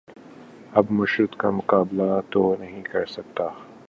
اب مرشد کا مقابلہ تو نہیں کر سکتا